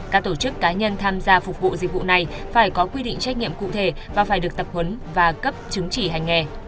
các tổ chức cá nhân tham gia phục vụ dịch vụ này phải có quy định trách nhiệm cụ thể và phải được tập huấn và cấp chứng chỉ hành nghề